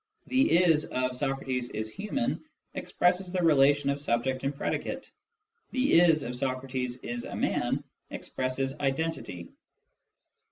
The is of j " Socrates is human " expresses the relation of subject and I predicate ; the is of " Socrates is a man " expresses identity.